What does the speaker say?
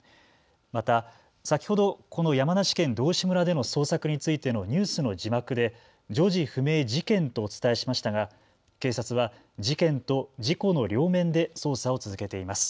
また先ほどこの山梨県道志村での捜索についてのニュースの字幕で女児不明事件とお伝えしましたが警察は事件と事故の両面で捜査を続けています。